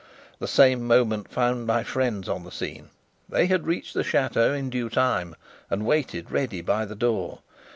The same moment found my friends on the scene. They had reached the chateau in due time, and waited ready by the door.